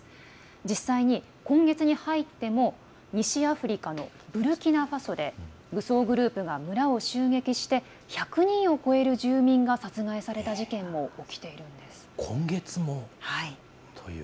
実際に、今月に入っても西アフリカのブルキナファソで武装グループが村を襲撃して１００人を超える住民が殺害された今月もという。